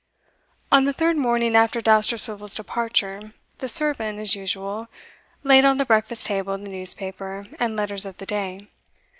On the third morning after Dousterswivel's departure, the servant, as usual, laid on the breakfast table the newspaper and letters of the day.